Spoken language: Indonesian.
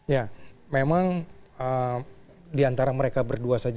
ya memang diantara mereka berdua saja